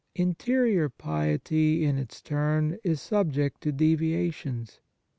Interior piety, in its turn, is subject to deviations.